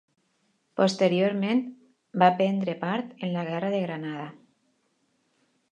Posteriorment va prendre part en la guerra de Granada.